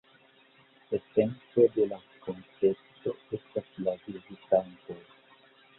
Esenco de la koncepto estas la vizitantoj.